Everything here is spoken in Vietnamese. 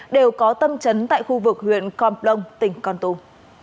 đều có tâm trấn tại khu vực huyện con plong tỉnh con tum